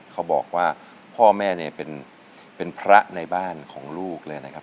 เขาบอกว่าพ่อแม่เนี่ยเป็นพระในบ้านของลูกเลยนะครับ